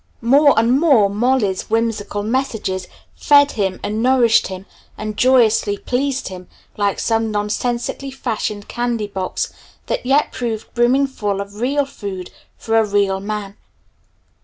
More and more "Molly's" whimsical messages fed him and nourished him and joyously pleased him like some nonsensically fashioned candy box that yet proved brimming full of real food for a real man.